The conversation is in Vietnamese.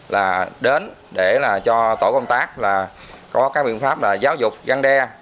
là đến để cho tổ công tác có các biện pháp giáo dục găng đe